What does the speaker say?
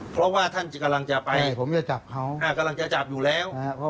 เพราะว่าท่านกำลังจะไปผมจะจับเขากำลังจะจับอยู่แล้ว